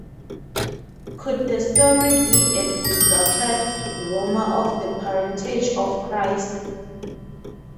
Could the story be a distorted rumor of the parentage of Christ?